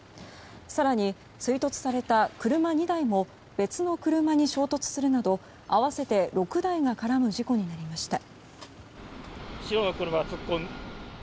更に追突された車２台も別の車に衝突するなど合わせて６台が絡む事故になりました。